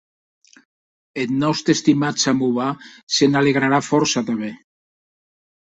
Eth nòste estimat samovar se n'alegrarà fòrça tanben.